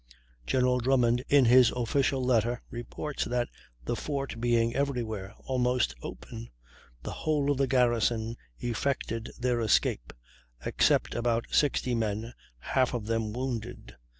General Drummond, in his official letter, reports that "the fort being everywhere almost open, the whole of the garrison effected their escape, except about 60 men, half of them wounded."